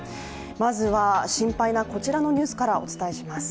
まずは、心配なこちらのニュースからお伝えします。